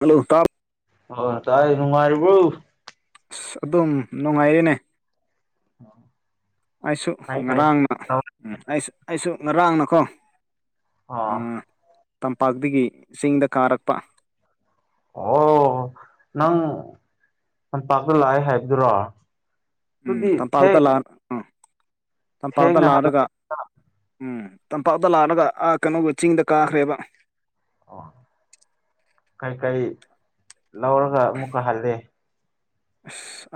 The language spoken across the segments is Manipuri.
ꯍꯜꯂꯣ ꯇꯥ ꯑꯣ ꯇꯥꯏ ꯅꯨꯡꯉꯥꯏꯔꯤꯕ꯭ꯔꯣ ꯑꯁ ꯑꯗꯨꯝ ꯅꯨꯡꯉꯥꯏꯔꯦꯅꯦ [inaudible] ꯑꯩꯁꯨ ꯀꯥꯏ ꯀꯥꯏ ꯉꯔꯥꯡꯅ ꯎꯝ ꯑꯩ ꯑꯩꯁꯨ ꯉꯔꯥꯡꯅꯀꯣ ꯑꯥ ꯇꯝꯄꯥꯛꯇꯒꯤ ꯆꯤꯡꯗ ꯀꯥꯔꯛꯄ ꯑꯣ ꯅꯪ ꯇꯝꯄꯥꯛꯇ ꯂꯥꯛꯑꯦ ꯍꯥꯏꯕꯗꯨꯔꯣ ꯎꯝ ꯑꯗꯨꯗꯤ ꯇꯝꯄꯥꯛꯇ ꯊꯦꯡ ꯂꯥ ꯎꯝ ꯇꯝꯄꯥꯛꯇ ꯊꯦꯡꯅ ꯂꯥꯛꯔꯒ ꯍꯜꯂꯛꯑꯦ ꯎꯝ ꯇꯝꯄꯥꯛꯇ ꯂꯥꯛꯔꯒ ꯑꯥ ꯀꯩꯅꯣꯒ ꯆꯤꯡꯗ ꯀꯥꯈ꯭ꯔꯦꯕ ꯑꯣ ꯀꯩꯀꯩ ꯂꯧꯔꯒ ꯑꯃꯨꯛꯀ ꯍꯜꯂꯤ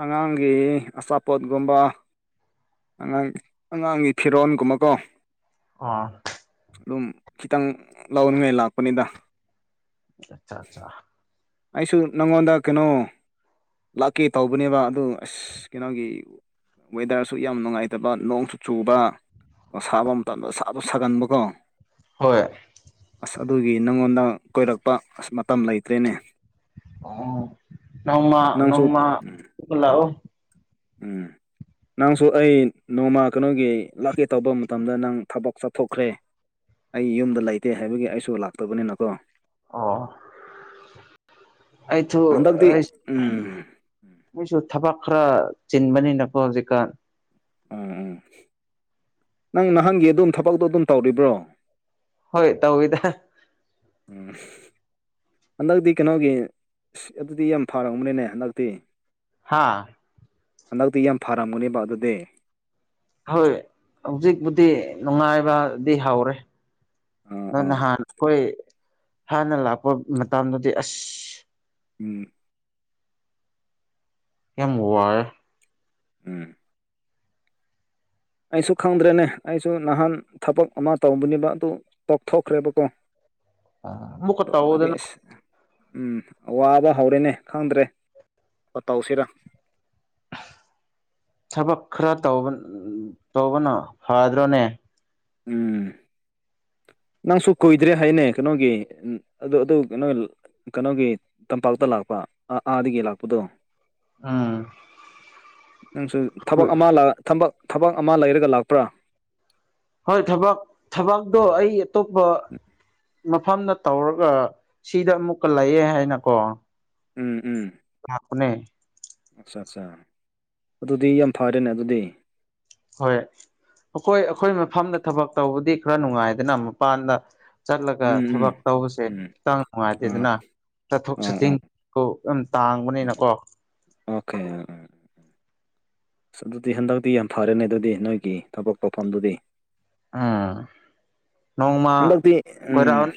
ꯑꯁ ꯑꯉꯥꯡꯒꯤ ꯑꯆꯥꯄꯣꯠꯒꯨꯝꯕ ꯑꯉꯥꯡ ꯑꯉꯥꯡꯒꯤ ꯐꯤꯔꯣꯟꯜꯒꯨꯝꯕꯀꯣ ꯑꫭ ꯑꯗꯨꯝ ꯈꯤꯇꯪ ꯂꯧꯅꯤꯡꯉꯥꯏ ꯂꯥꯛꯄꯅꯤꯗ ꯑꯆꯥ ꯑꯆꯥ ꯑꯩꯁꯨ ꯅꯪꯉꯣꯟꯗ ꯀꯩꯅꯣ ꯂꯥꯛꯀꯦ ꯇꯧꯕꯅꯦꯕ ꯑꯗꯨ ꯑꯁ ꯀꯩꯅꯣꯒꯤ ꯋꯦꯗꯔꯁꯨ ꯌꯥꯝ ꯅꯨꯡꯉꯥꯏꯇꯕ ꯅꯣꯡꯁꯨ ꯆꯨꯕ ꯁꯥꯕ ꯃꯇꯝꯗ ꯁꯥꯥꯁꯨ ꯁꯥꯒꯟꯕꯀꯣ ꯍꯣꯏ ꯑꯁ ꯑꯗꯨꯒꯤ ꯅꯪꯉꯣꯟꯗ ꯀꯣꯏꯔꯛꯄ ꯑꯁ ꯃꯇꯝ ꯂꯩꯇ꯭ꯔꯦꯅꯦ ꯑꫭ ꯅꫭꯡꯃ ꯅꯪꯁꯨ ꯅꯣꯡꯃ ꯂꯛꯑꯣ ꯎꯝ ꯅꯪꯁꯨ ꯑꯩ ꯅꯣꯡꯃ ꯀꯩꯅꯣꯒꯤ ꯂꯥꯛꯀꯦ ꯇꯧꯕ ꯃꯇꯝꯗ ꯅꯪ ꯊꯕꯛ ꯆꯠꯊꯣꯛꯈ꯭ꯔꯦ ꯑꯩ ꯌꯨꯝꯗ ꯂꯩꯇꯦ ꯍꯥꯏꯕꯒꯤ ꯑꯩꯁꯨ ꯂꯥꯛꯇꯕꯅꯤꯅꯀꯣ ꯑꯣ ꯑꯩꯁꯨ ꯍꯟꯗꯛꯇꯤ ꯎꯝ ꯃꯣꯏꯁꯨ ꯊꯕꯛ ꯈꯔ ꯆꯤꯟꯕꯅꯤꯅꯀꯣ ꯍꯧꯖꯤꯛꯀꯥꯟ ꯎꯝ ꯎꯝ ꯅꯪ ꯅꯍꯥꯟꯒꯤ ꯑꯗꯨꯝ ꯊꯕꯛꯇꯣ ꯑꯗꯨꯝ ꯇꯧꯔꯤꯕ꯭ꯔꯣ ꯍꯣꯏ ꯇꯧꯋꯤꯗ ꯎꯝ ꯍꯟꯗꯛꯇꯤ ꯀꯩꯅꯣꯒꯤ ꯑꯗꯨꯗꯤ ꯌꯥꯝ ꯐꯔꯕꯅꯤꯅꯦ ꯍꯟꯗꯛꯇꯤ ꯍꯥꯥ ꯍꯟꯗꯛꯇꯤ ꯌꯥꯝ ꯐꯔꯝꯒꯅꯦꯕ ꯑꯗꯨꯗꯤ ꯍꯣꯏ ꯍꯧꯖꯤꯛꯄꯨꯗꯤ ꯅꯨꯡꯉꯥꯏꯕꯗꯤ ꯍꯧꯔ‌ꯦ ꯑꯥ ꯑꯗꯨ ꯑꯥ ꯅꯍꯥꯟ ꯑꯩꯈꯣꯏ ꯍꯥꯟꯅ ꯂꯥꯛꯄ ꯃꯇꯝꯗꯨꯗꯤ ꯑꯁ ꯎꯝ ꯌꯥꯝ ꯋꯔ‌ꯦ ꯎꯝ ꯑꯩꯁꯨ ꯈꯪꯗ꯭ꯔꯦꯅꯦ ꯑꯩꯁꯨ ꯅꯍꯥꯟ ꯊꯕꯛ ꯑꯃ ꯇꯧꯕꯅꯦꯕ ꯑꯗꯨ ꯇꯣꯛꯊꯣꯛꯈ꯭ꯔꯦꯕꯀꯣ ꯑꯃꯨꯛꯀ ꯇꯧꯗꯅ ꯝꯕꯒꯦꯁ [unintelligible] ꯎꯝ ꯑꯕ ꯍꯧꯔꯦꯅꯦ ꯈꯪꯗ꯭ꯔꯦ ꯇꯧꯁꯤꯔꯥ ꯊꯕꯛ ꯈꯔ ꯇꯧꯕꯅ ꯇꯧꯕꯅ ꯐꯗ꯭ꯔꯣꯅꯦ ꯎꯝ ꯅꯪꯁꯨ ꯀꯨꯏꯗ꯭ꯔꯦ ꯍꯥꯏꯅꯦ ꯀꯩꯅꯣꯒꯤ ꯑꯗꯨ ꯑꯗꯨ ꯀꯩꯅꯣ ꯀꯩꯅꯣꯒꯤ ꯇꯝꯄꯥꯛꯇ ꯂꯥꯛꯄ ꯑꯥꯗꯒꯤ ꯂꯥꯛꯄꯗꯣ ꯎꯝ ꯅꯪꯁꯨ ꯊꯕꯛ ꯑꯃ ꯊꯕꯛ ꯊꯕꯛ ꯑꯃ ꯂꯩꯔꯒ ꯂꯥꯛꯄ꯭ꯔꯥ ꯍꯣꯏ ꯊꯕꯥꯛ ꯊꯕꯥꯛꯇꯣ ꯑꯩ ꯑꯇꯣꯞꯄ ꯃꯐꯝꯗ ꯇꯧꯔꯒ ꯁꯤꯗ ꯑꯃꯨꯛꯀ ꯂꯩꯌꯦ ꯍꯥꯏꯅꯀꯣ ꯎꯝ ꯎꯝ ꯂꯥꯛꯄꯅ‌ꯦ ꯑꯠꯆꯥ ꯑꯠꯆꯥ ꯑꯗꯨꯗꯤ ꯌꯥꯝ ꯐꯔꯦꯅꯦ ꯑꯗꯨꯗꯤ ꯍꯣꯏ ꯑꯩꯈꯣꯏ ꯑꯩꯈꯣꯏ ꯃꯐꯝꯗ ꯊꯕꯛ ꯇꯧꯕꯗꯤ ꯈꯔ ꯅꯨꯡꯉꯥꯏꯗꯅ ꯃꯄꯥꯟꯗ ꯆꯠꯂꯒ ꯎꯝ ꯎꯝ ꯊꯕꯛ ꯇꯧꯕꯁꯦ ꯎꯝ ꯈꯤꯇꯪ ꯑꯥ ꯅꯨꯡꯉꯥꯏꯇꯦꯗꯅ ꯆꯠꯊꯣꯛ ꯑꯥ ꯆꯠꯁꯤꯟ ꯑꯥ ꯀꫭ ꯌꯥꯝ ꯑꯥ ꯇꯥꯡꯕꯅꯤꯅꯀꯣ ꯑꯣꯀꯦ ꯑꯁ ꯑꯗꯨꯗꯤ ꯍꯟꯗꯛꯇꯤ ꯌꯥꯝ ꯐꯔꯦꯅꯦ ꯑꯗꯨꯗꯤ ꯅꯣꯏꯒꯤ ꯊꯕꯛ ꯇꯧꯐꯝꯗꯨꯗꯤ ꯎꯝ ꯅꯣꯡꯃ ꯍꯟꯗꯛꯇꯤ ꯎꯝ ꯀꯣꯏꯔꯛꯑꯣꯅꯦ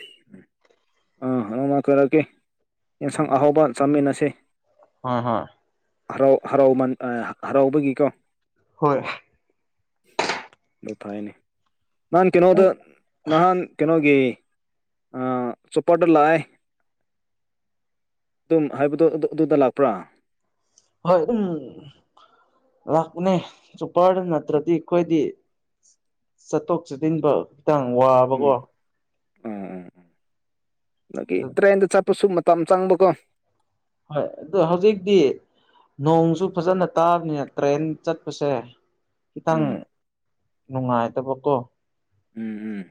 ꯑꯥ ꯑꯗꯨꯃꯥꯏ ꯀꯧꯔꯛꯀꯦ ꯌꯦꯟꯁꯪ ꯑꯍꯥꯎꯕ ꯆꯥꯃꯤꯟꯅꯁꯤ ꯍꯣꯏ ꯍꯣꯏ ꯍꯔꯥꯎ ꯍꯔꯥꯎꯃꯟ ꯑ ꯍꯔꯥꯎꯕꯒꯤꯀꯣ ꯍꯣꯏ [unintelligible] ꯅꯥꯍꯟ ꯀꯩꯅꯣꯗ ꯅꯍꯥꯟ ꯀꯩꯅꯣꯒꯤ ꯑ ꯆꯣꯄ꯭ꯔꯗ ꯂꯥꯛꯑꯦ ꯑꯗꯨꯝ ꯍꯥꯏꯕꯗꯣ ꯑꯗꯨ ꯑꯗꯨꯗ ꯂꯥꯛꯄ꯭ꯔꯥ ꯍꯣꯏ ꯑꯗꯨꯝ ꯂꯥꯛꯄꯅꯦ ꯆꯣꯞꯄ꯭ꯔꯗ ꯅꯠꯇ꯭ꯔꯗꯤ ꯑꯩꯈꯣꯏꯗꯤ ꯆꯠꯊꯣꯛ ꯆꯠꯗꯤꯡꯗꯣ ꯈꯤꯇꯪ ꯋꯥꯕꯀꯣ ꯑꯥ ꯑꯥ ꯑꯗꯒꯤ ꯑꯗꯨ ꯇ꯭ꯔꯦꯟꯗ ꯆꯠꯄꯁꯨ ꯃꯇꯝ ꯆꯪꯕꯀꯣ ꯍꯣꯏ ꯑꯗꯣ ꯍꯧꯖꯤꯛꯇꯤ ꯅꯣꯡꯁꯨ ꯐꯖꯅ ꯇꯥꯕꯅꯤꯅ ꯇ꯭ꯔꯦꯟ ꯆꯠꯄꯁꯦ ꯈꯤꯇꯪ ꯎꯝ ꯅꯨꯡꯉꯥꯏꯇꯕ ꯀꯣ ꯎꯝ ꯎꯝ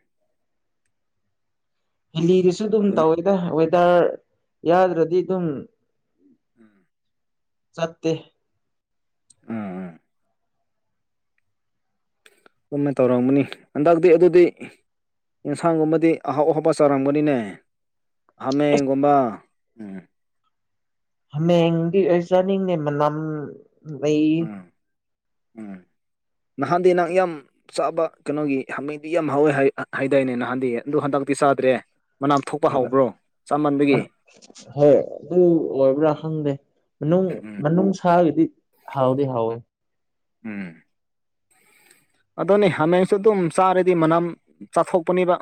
ꯍꯤꯂꯤꯗꯁꯨ ꯑꯗꯨꯝ ꯑꯗꯨꯅꯤ ꯇꯧꯋꯦꯗ ꯋꯦꯗꯔ ꯌꯥꯗ꯭ꯔꯗꯤ ꯑꯗꯨꯝ ꯎꯝ ꯆꯠꯇꯦ ꯎꯝ ꯎꯝ ꯑꯗꯨꯃꯥꯏꯅ ꯇꯧꯔꯝꯒꯅꯤ ꯍꯟꯗꯛꯇꯤ ꯑꯗꯨꯗꯤ ꯌꯦꯟꯁꯥꯡꯒꯨꯝꯕꯗꯤ ꯑꯍꯥꯎ ꯑꯍꯥꯎꯕ ꯆꯥꯔꯝꯒꯅꯤꯅꯦ ꯑꯁ ꯍꯥꯃꯦꯡꯒꯨꯝꯕ ꯎꯝ ꯍꯥꯃꯦꯡꯗꯤ ꯑꯩ ꯆꯥꯅꯤꯡꯗꯦ ꯃꯅꯝ ꯂꯩ ꯎꯝ ꯎꯝ ꯅꯍꯥꯟꯗꯤ ꯅꯪ ꯌꯝ ꯆꯥꯕ ꯀꯩꯅꯣꯒꯤ ꯍꯥꯃꯦꯡꯗꯤ ꯌꯥꯝ ꯍꯥꯎꯋꯦ ꯍꯥꯏ ꯍꯥꯏꯗꯥꯏꯅꯦ ꯅꯍꯥꯟꯗꯤ ꯑꯗꯨ ꯍꯟꯗꯛꯇꯤ ꯆꯥꯗ꯭ꯔꯦ ꯃꯅꯥꯝ ꯊꯣꯛꯄ ꯍꯧꯕ꯭ꯔꯣ ꯆꯥꯃꯟꯕꯒꯤ ꯍꯣꯏ ꯑꯗꯨ ꯑꯣꯏꯕ꯭ꯔꯥ ꯈꯪꯗꯦ ꯃꯅꯨꯡ ꯎꯝ ꯃꯅꯨꯡ ꯁꯥꯒꯤꯗꯤ ꯍꯥꯎꯗꯤ ꯍꯥꯎꯋꯦ ꯎꯝ ꯑꯗꯨꯅꯦ ꯍꯥꯃꯦꯡꯁꯨ ꯑꯗꯨꯝ ꯆꯥꯔꯗꯤ ꯃꯅꯝ ꯆꯥꯊꯣꯛꯄꯅꯦꯕ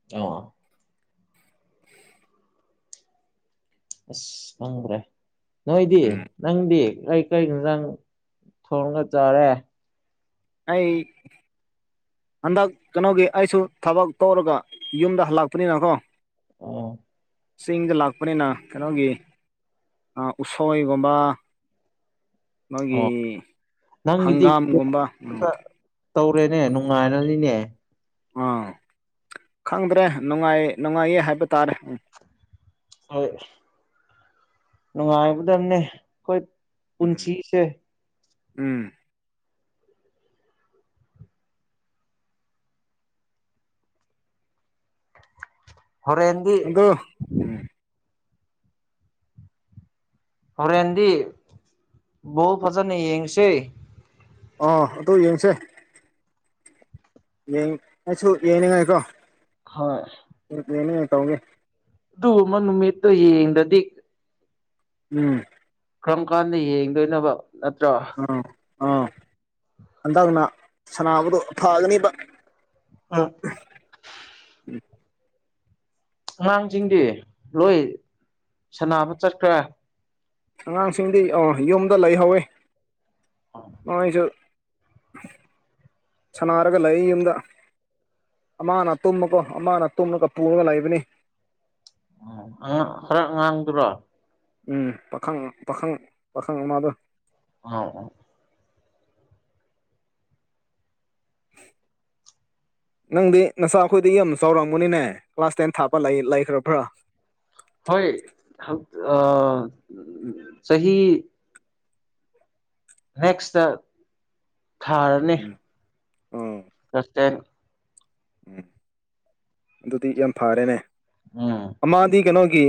[unintelligible] ꯑꯁ ꯈꯪꯗ꯭ꯔꯦ ꯅꯣꯏꯗꯤ ꯎꯝ ꯅꯪꯗꯤ ꯑꯩ ꯀꯩ ꯏꯟꯖꯥꯡ ꯊꯣꯡꯒ ꯆꯥꯔꯦ ꯑꯩ ꯍꯟꯗꯛ ꯀꯩꯅꯣꯒꯤ ꯑꯩꯁꯨ ꯊꯕꯛ ꯇꯧꯔꯒ ꯌꯨꯝꯗ ꯍꯜꯂꯛꯄꯅꯤꯅꯀꯣ ꯑꯣ ꯆꯤꯡꯗ ꯂꯥꯛꯄꯅꯤꯅ ꯀꯩꯅꯣꯒꯤ ꯎꯁꯣꯏꯒꯨꯝꯕ ꯃꯣꯏꯒꯤ ꯑꯣ ꯅꯪꯒꯤꯗꯤ ꯍꯪꯒꯥꯝꯒꯨꯝꯕ ꯎꯝ ꯇꯧꯔꯦꯅꯦ ꯅꯨꯡꯉꯥꯏꯔꯅꯤꯅꯦ ꯑꯥ ꯈꯪꯗ꯭ꯔꯦ ꯅꯨꯡꯉꯥꯏ ꯅꯨꯡꯉꯥꯏꯌꯦ ꯍꯥꯏꯕ ꯇꯥꯔꯦ ꯎ ꯍꯣꯏ ꯅꯨꯡꯉꯥꯏꯒꯗꯕꯅꯦ ꯑꯩꯈꯣꯏ ꯎꯝ ꯄꯨꯟꯁꯤꯁꯦ ꯎꯝ ꯍꯣꯔꯦꯟꯗꯤ [inaudible] ꯑꯗꯨ ꯎꯝ ꯍꯔꯦꯟꯦꯟꯗꯤ ꯕꯣꯜ ꯐꯖꯅ ꯌꯦꯡꯁꯦ ꯑꯥ ꯑꯗꯨ ꯌꯦꯡꯁꯦ ꯌꯦꯡ ꯑꯩꯁꯨ ꯌꯦꯡꯅꯤꯡꯉꯥꯏꯀꯣ ꯍꯣꯏ ꯇꯣꯏ ꯇꯣꯏꯅ ꯇꯧꯅꯦ ꯑꯗꯨꯒꯨꯝꯕ ꯅꯨꯃꯤꯠꯇꯣ ꯌꯦꯡꯗꯗꯤ ꯎꯝ ꯀꯔꯝ ꯀꯥꯟꯗ ꯌꯦꯡꯗꯣꯏꯅꯕ ꯅꯠꯇ꯭ꯔꯣ ꯑꯥ ꯑꯥ ꯍꯟꯗꯛꯅ ꯁꯥꯅꯕꯗꯣ ꯐꯒꯅꯤꯕ ꯑ ꯑꯉꯥꯡꯁꯤꯡꯗꯤ ꯂꯣꯏ ꯁꯅꯕ ꯆꯠꯈ꯭ꯔ ꯑꯉꯥꯡꯁꯤꯡꯗꯤ ꯑ ꯌꯨꯝꯗ ꯂꯩꯍꯧꯋꯤ ꯅꯣꯏꯁꯨ ꯁꯅꯥꯔꯒ ꯂꯩ ꯌꯨꯝꯗ ꯑꯃꯅ ꯇꯨꯝꯃꯀꯣ ꯑꯃꯅ ꯇꯨꯝꯃꯒ ꯄꯨꯔꯒ ꯂꯩꯕꯅꯤ ꯎ ꯈꯔ ꯑꯉꯥꯡꯗꯨꯔꯣ ꯎꯝ ꯄꯥꯈꯪ ꯄꯥꯈꯪ ꯄꯥꯈꯪ ꯑꯃꯗꯣ ꯑꯥ [inaudible] ꯅꯪꯗꯤ ꯅꯆꯥ ꯑꯩꯈꯣꯏꯗꯤ ꯌꯥꯝ ꯆꯥꯎꯔꯝꯒꯅꯤꯅꯦ ꯀ꯭ꯂꯥꯁ ꯇꯦꯟ ꯊꯥꯄ ꯂꯩꯈ꯭ꯔꯕ꯭ꯔꯥ ꯍꯣꯏ ꯆꯍꯤꯍꯤ ꯅꯦꯛꯁꯇ ꯊꯥꯔꯅꯤ ꯎꯝ ꯑꯣ ꯇꯁꯦ ꯎꯝ ꯑꯗꯨꯗꯤ ꯌꯥꯝ ꯐꯔꯦꯅꯦ ꯎꯝ ꯑꯃꯗꯤꯗꯤ ꯀꯩꯅꯣꯒꯤ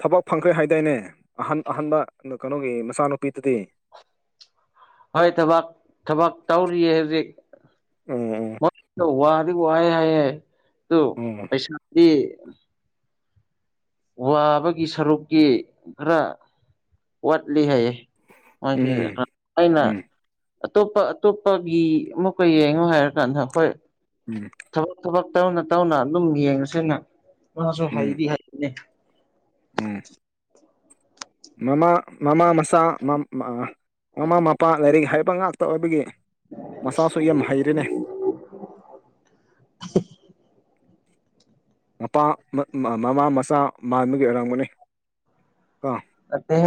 ꯊꯕꯛ ꯐꯪꯈ꯭ꯔꯦ ꯍꯥꯏꯗꯥꯏꯅꯦ ꯑꯍꯟ ꯑꯍꯟꯥꯟꯕ ꯀꯩꯅꯣꯒꯤ ꯃꯆꯥꯅꯨꯄꯤꯗꯨꯗꯤ ꯍꯣꯏ ꯊꯕꯛ ꯊꯕꯛ ꯇꯧꯔꯤꯌꯦ ꯍꯧꯖꯤꯛ ꯎꯝ ꯎꯝ ꯋꯥꯗꯤ ꯋꯥꯑꯦ ꯍꯥꯏ ꯑꯗꯨ ꯎꯝ ꯄꯩꯁꯥꯗꯤ ꯋꯥꯕꯒꯤ ꯁꯔꯨꯛꯀꯤ ꯈꯔ ꯋꯥꯠꯂꯤ ꯍꯥꯏꯌꯦ ꯍꯦ ꯎꯝ ꯑꯩꯅ ꯎꯝ ꯑꯇꯣꯞꯄ ꯑꯇꯣꯞꯄꯒꯤ ꯑꯃꯨꯛꯀ ꯌꯦꯡꯉꯣ ꯍꯥꯏꯔ ꯀꯥꯟꯗ ꯍꯣꯏ ꯎꯝ ꯊꯕꯛ ꯊꯕꯛ ꯇꯧꯅ ꯇꯧꯅ ꯑꯗꯨꯝ ꯌꯦꯡꯉꯁꯤꯅ ꯃꯥꯁꯨ ꯎꯝ ꯍꯗꯤ ꯍꯥꯏꯅꯦ ꯎꯝ ꯃꯃꯥ ꯃꯃꯥ ꯃꯆꯥ ꯃꯃꯥ ꯃꯄꯥ ꯂꯥꯏꯔꯤꯛ ꯍꯩꯕ ꯉꯥꯛꯇ ꯑꯣꯏꯕꯒꯤ ꯃꯆꯥꯁꯨ ꯌꯥꯝ ꯍꯩꯔꯦꯅꯦ [inaudible] ꯃꯄꯥ ꯃꯃꯥ ꯃꯆꯥ ꯃꯥꯟꯕꯒꯤ ꯑꯣꯏꯔꯝꯕꯅꯤ ꯑꯠꯇꯦ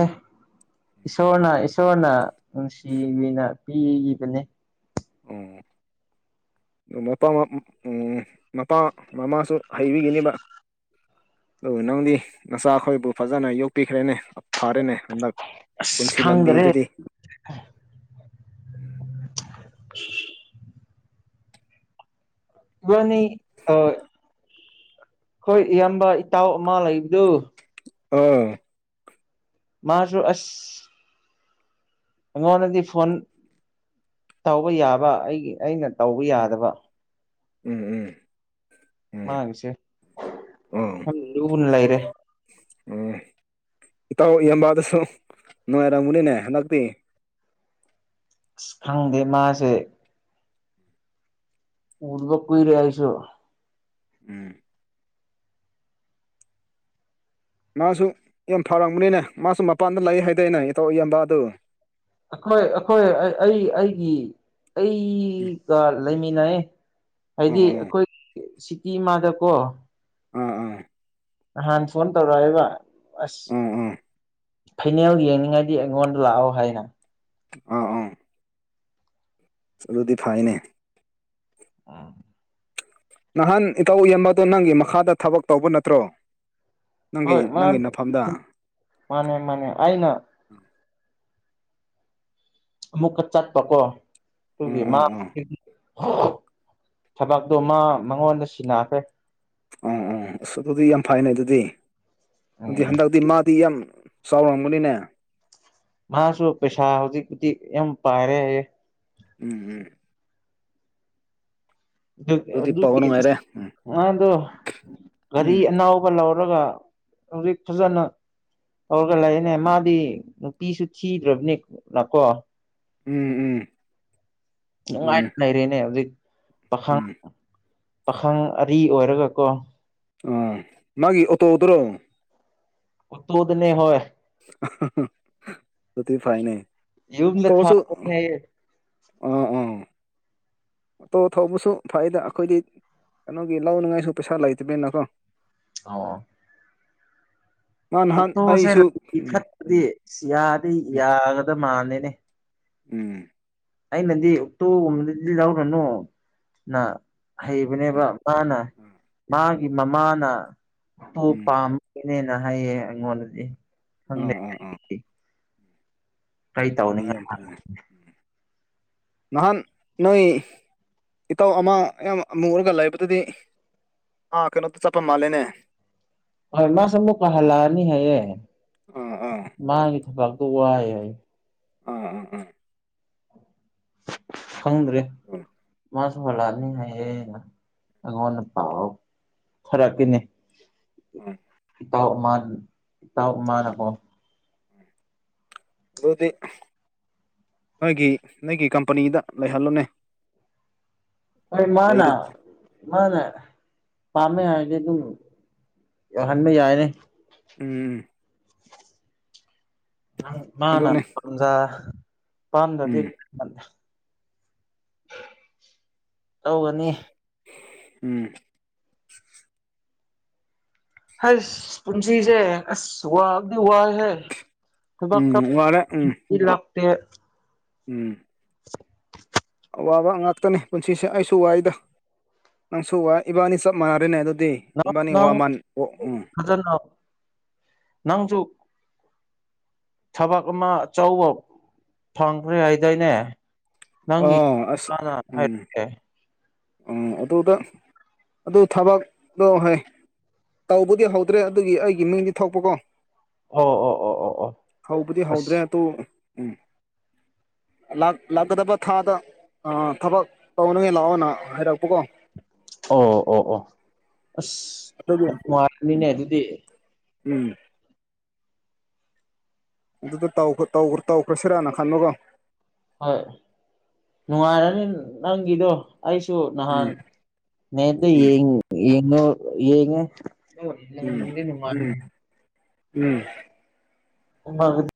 ꯏꯁꯣꯔꯅ ꯏꯁꯣꯔꯅ ꯅꯨꯡꯁꯤꯅ ꯄꯤꯈꯤꯕꯅꯤ ꯑꯣ ꯑꯗꯨ ꯎ ꯃꯄꯥ ꯃꯃꯥꯁꯨ ꯍꯩꯕꯤꯒꯤꯅꯦꯕ ꯑꯗꯨ ꯅꯪꯗꯤ ꯅꯆꯥꯈꯣꯏꯕꯨ ꯐꯖꯅ ꯌꯣꯛꯄꯤꯈ꯭ꯔꯦꯅꯦ ꯐꯔꯦꯅꯦ ꯍꯟꯗꯛ ꯑꯁ ꯄꯨꯟꯁꯤ ꯈꯪꯗꯔꯦ ꯂꯝꯕꯤꯗꯗꯤ ꯏꯕꯥꯅꯤ ꯍꯣꯏ ꯏꯌꯥꯝꯕ ꯏꯇꯥꯎ ꯑꯃ ꯂꯩꯕꯗꯨ ꯑꯥ ꯃꯥꯁꯨ ꯑꯁ ꯑꯩꯉꯣꯟꯗꯗꯤ ꯐꯣꯟ ꯇꯧꯕ ꯌꯥꯕ ꯑꯩꯒꯤ ꯑꯩꯅ ꯇꯧꯕ ꯎꯝ ꯌꯥꯗꯕ ꯎꯝ ꯎꯝ ꯃꯥꯡꯁꯦ ꯎꯝ ꯑꯣ ꯌꯥꯝ ꯂꯨꯅ ꯂꯩꯔꯦ ꯎꯝ ꯏꯇꯥꯎ ꯏꯕꯗꯁꯨ ꯅꯨꯡꯉꯥꯏꯔꯝꯝꯕꯅꯤꯅꯦ ꯍꯟꯗꯛꯇꯤ ꯑꯁ ꯈꯪꯗꯦ ꯃꯥꯁꯦ ꯎꯕ ꯀꯨꯏꯔ ꯑꯥꯏꯁꯣ ꯎꯝ ꯃꯥꯁꯨ ꯌꯥꯝ ꯐꯔꯕꯅꯤꯅꯦ ꯃꯥꯁꯨ ꯃꯄꯥꯟꯗ ꯂꯩ ꯍꯥꯏꯗꯅꯦ ꯏꯇꯧ ꯏꯕ ꯑꯗꯨ ꯑꯩꯈꯣꯏ ꯑꯩꯈꯣꯏ ꯑꯩ ꯑꯩꯒꯤ ꯎꯝ ꯑꯩꯒ ꯂꯩꯃꯤꯟꯅꯩ ꯑꯣ ꯍꯥꯏꯗꯤ ꯑꯣ ꯑꯩꯈꯣꯏ ꯁꯤꯀꯤ ꯏꯃꯥꯗꯀꯣ ꯑꯥ ꯑꯥ ꯅꯍꯥꯟ ꯐꯣꯟ ꯇꯧꯔꯛꯦꯕ ꯑꯁ ꯑꯣ ꯑꯣ ꯐꯩꯅꯦꯜ ꯌꯦꯡꯅꯤꯡꯉꯥꯏꯗꯤ ꯑꯩꯉꯣꯟꯗ ꯂꯥꯛꯑꯣ ꯍꯥꯏꯅ ꯑ ꯑꯥ ꯑꯗꯨꯗꯤ ꯐꯥꯏꯅꯦ ꯑꯣ ꯅꯍꯥꯟ ꯏꯇꯥꯎ ꯌꯦꯟꯕꯗꯣ ꯅꯪꯒꯤ ꯃꯈꯥꯗ ꯊꯕꯛ ꯇꯧꯕ ꯅꯠꯇ꯭ꯔꯣ ꯅꯪꯒꯤ ꯍꯣꯏ ꯃꯥꯟ ꯅꯪꯒꯤ ꯅꯐꯝꯗ ꯃꯥꯅꯦ ꯃꯥꯅꯦ ꯑꯩꯅ ꯑꯃꯨꯛꯀ ꯆꯠꯄꯀꯣ ꯑꯗꯨꯒꯤ ꯎꯝ ꯎꯝ ꯃꯥ ꯎꯝ ꯊꯕꯛꯇꯣ ꯃꯥ ꯃꯉꯣꯟꯗ ꯁꯤꯟꯅꯈ꯭ꯔꯦ ꯑꯣ ꯑꯣ ꯑꯁ ꯑꯗꯨꯗꯤ ꯌꯥꯝ ꯐꯩꯅ ꯑꯗꯨꯗꯤ ꯑꯗꯨꯗꯤ ꯍꯟꯗꯛꯇꯤ ꯃꯥꯗꯤ ꯌꯥꯝ ꯆꯥꯎꯔꯝꯒꯅꯤꯅꯦ ꯃꯥꯁꯨ ꯄꯩꯁꯥ ꯍꯧꯖꯤꯛꯄꯨꯗꯤ ꯌꯥꯝ ꯄꯥꯏꯔꯦ ꯍꯥꯏꯌꯦ ꯎꯝ ꯎꯝ ꯑꯗꯨ ꯄꯥꯎ ꯑꯗꯨꯗꯤ ꯑꯁ ꯅꯨꯡꯉꯥꯏꯔꯦ ꯎꯝ ꯃꯥꯗꯣ ꯒꯥꯔꯤ ꯎꯝ ꯑꯅꯧ ꯄꯂꯧꯔꯒ ꯍꯧꯖꯤꯛ ꯐꯖꯅ ꯇꯧꯔꯒ ꯂꯩꯅꯦ ꯃꯥꯗꯤ ꯅꯨꯄꯤꯁꯨ ꯊꯤꯗ꯭ꯔꯕꯅꯤꯅꯀꯣ ꯎꯝ ꯎꯝ ꯑꯗꯨꯅꯦ ꯅꯨꯡꯉꯥꯏꯅ ꯂꯩꯔꯦꯅꯦ ꯍꯧꯖꯤꯛ ꯄꯥꯈꯪ ꯎꯝ ꯄꯥꯈꯪ ꯑꯔꯤ ꯑꯣꯏꯔꯒꯀꯣ ꯑꯥ ꯃꯥꯒꯤ ꯑꯣꯇꯣꯗꯨꯔꯣꯡ ꯑꯣꯇꯣꯗꯅꯦ ꯍꯣꯏ ꯑꯗꯨ ꯐꯥꯏꯅꯦ ꯌꯨꯝꯗ ꯑꯣꯇꯣꯁꯨ ꯊꯥꯕꯅꯤ ꯍꯥꯏꯌꯦ ꯑ ꯑꯝ ꯑꯣꯇꯣ ꯊꯧꯕꯁꯨ ꯐꯩꯗ ꯑꯩꯈꯣꯏꯗꯤ ꯀꯩꯅꯣꯒꯤ ꯂꯧꯅꯉꯥꯏꯁꯨ ꯄꯩꯁꯥ ꯂꯩꯇꯕꯤꯅꯀꯣ ꯑꯣ ꯑꯣ ꯃꯥ ꯅꯍꯥꯟ ꯑꯣꯛꯇꯣꯁꯦ ꯑꯩꯁꯨ ꯂꯥꯕꯨꯛꯀꯤ ꯎꯝ ꯐ꯭ꯂꯠꯇꯗꯤ ꯎꯝ ꯌꯥꯗꯤ ꯌꯥꯒꯗ ꯃꯥꯟꯗꯦꯅꯦ ꯎꯝ ꯑꯩꯅꯗꯤ ꯑꯣꯛꯇꯣꯒꯨꯝꯕꯗꯨꯗꯤ ꯂꯧꯔꯅꯨꯅ ꯍꯩꯕꯅꯦꯕ ꯎꯝ ꯃꯥꯅ ꯎꯝ ꯃꯥꯒꯤ ꯃꯃꯥꯅ ꯇꯨ ꯎꯝ ꯄꯥꯝ ꯏꯅꯦꯅ ꯍꯥꯏꯌꯦ ꯑꯩꯉꯣꯟꯗꯗꯤ ꯑ ꯈꯪꯗꯦ ꯑ ꯑ ꯀꯩ ꯍꯨꯏꯌꯝ [inaudible] ꯅꯍꯥꯟ ꯅꯣꯏ ꯏꯇꯥꯎ ꯑꯃ ꯌꯥꯝ ꯃꯨꯔꯒ ꯂꯩꯕꯗꯨꯗꯤ ꯑꯥ ꯀꯩꯅꯣꯗ ꯆꯠꯄ ꯃꯥꯜꯂꯦꯅꯦ ꯍꯣꯏ ꯃꯥꯁꯨ ꯑꯃꯨꯛꯀ ꯍꯜꯂꯛꯑꯅꯤ ꯍꯥꯏꯌꯦ ꯑꯥ ꯑꯥ ꯃꯥꯒꯤ ꯊꯕꯥꯛꯇꯣ ꯋꯥꯏ ꯍꯥꯏꯌꯦ ꯑ ꯑ ꯑ ꯈꯪꯗ꯭ꯔꯦ ꯃꯥꯁꯨ ꯍꯜꯂꯛꯑꯅꯤ ꯍꯥꯏꯌꯦꯅ ꯑꯩꯉꯣꯟꯗ ꯄꯥꯎ ꯊꯥꯔꯛꯈꯤꯅꯤ ꯎꯝ ꯏꯇꯥꯎ ꯑꯃꯒꯤ ꯏꯇꯥꯎ ꯑꯃꯅꯀꯣ ꯑꯗꯨꯗꯤ ꯅꯣꯏꯒꯤ ꯅꯣꯏꯒꯤ ꯀꯝꯄꯅꯤꯗ ꯂꯩꯍꯜꯂꯣꯅꯦ ꯍꯣꯏ ꯃꯥꯅꯥ ꯂꯩꯔꯤ ꯃꯥꯅ ꯄꯥꯝꯃꯦ ꯍꯥꯏꯔꯗꯤ ꯑꯗꯨꯝ ꯌꯧꯍꯟꯕ ꯌꯥꯏꯅꯦ ꯎꯝ ꯃꯥꯅ ꯑꯗꯨꯅꯦ ꯄꯝꯖ ꯄꯥꯝꯗꯗꯤ ꯎꯝ ꯇꯧꯒꯅꯤ ꯎꯝ ꯍꯁ ꯀꯨꯝꯁꯤꯖꯦ ꯑꯁ ꯋꯥꯕꯗꯤ ꯋꯥꯏꯍꯦ ꯊꯕꯛꯇꯣ ꯎꯝ ꯋꯥꯔꯦ ꯎꯝ ꯁꯨꯇꯤ ꯂꯥꯛꯇꯦ ꯎꯝ [inaudible] ꯑꯋꯥꯕ ꯉꯥꯛꯇꯅꯦ ꯄꯨꯟꯁꯤꯁꯦ ꯑꯩꯁꯨ ꯋꯥꯏꯗ ꯅꯪꯁꯨ ꯋꯥꯏ ꯏꯕꯥꯅꯤ ꯆꯞ ꯃꯥꯟꯅꯔꯦꯅꯦ ꯑꯗꯨꯗꯤ ꯅꯪ ꯏꯕꯥꯅꯤ ꯅꯪ ꯋꯥꯃꯟ ꯋꯥ ꯎꯝ ꯐꯖꯅ ꯅꯪꯁꯨ ꯊꯕꯛ ꯑꯃ ꯑꯆꯧꯕ ꯐꯪꯈ꯭ꯔꯦ ꯍꯥꯏꯗꯥꯏꯅꯦ ꯑꯣ ꯅꯪꯅꯥ ꯍꯥꯏ ꯑꯣ ꯑꯗꯨꯗ ꯑꯗꯨ ꯊꯕꯗꯣ ꯍꯣꯏ ꯇꯧꯕꯗꯤ ꯍꯧꯗ꯭ꯔꯦ ꯑꯗꯨꯒꯤ ꯑꯩꯒꯤ ꯃꯤꯡꯗꯤ ꯊꯣꯛꯄꯀꯣ ꯑꯣ ꯑꯣ ꯑꯣ ꯑꯣ ꯑꯣ ꯍꯧꯕꯗꯤ ꯑꯁ ꯍꯧꯗ꯭ꯔꯦ ꯑꯗꯨꯣ ꯎꯝ ꯂꯥꯛꯀꯗꯕ ꯊꯥꯗ ꯊꯕꯛ ꯇꯧꯅꯉ ꯂꯥꯛꯑꯣꯅ ꯍꯥꯏꯔꯛꯄꯀꯣ ꯑꯣ ꯑꯣ ꯑꯣ ꯑꯁ ꯑꯗꯨꯒꯤ ꯌꯥꯝ ꯅꯨꯡꯉꯥꯏꯔꯅꯤꯅꯦ ꯎꯝ ꯑꯗꯨꯗꯤ ꯎꯝ ꯑꯗꯨꯗ ꯇꯧꯈ꯭ꯔꯁꯤꯔꯥꯅ ꯈꯟꯕꯒꯣ ꯍꯣꯏ ꯅꯨꯡꯉꯥꯏꯔꯅꯤ ꯅꯪꯒꯤꯗꯣ ꯑꯩꯁꯨ ꯅꯍꯥꯟ ꯎꯝ ꯅꯇ ꯎꯝ ꯌꯦꯡꯉ ꯌꯦꯉꯣ ꯌꯦꯡꯉꯦ ꯑꯣ ꯅꯪ ꯎꯝ ꯅ ꯃꯥ ꯎꯝ ꯎꯝ [unintelligible]